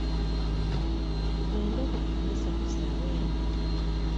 Tugende ku kkanisa tusabe.